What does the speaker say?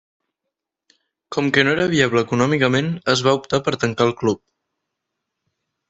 Com que no era viable econòmicament, es va optar per tancar el club.